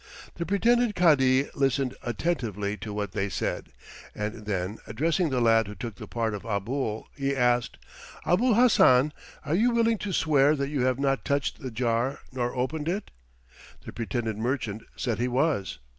The pretended Cadi listened attentively to what they said, and then addressing the lad who took the part of Abul he asked, "Abul Hassan, are you willing to swear that you have not touched the jar nor opened it?" The pretended merchant said he was.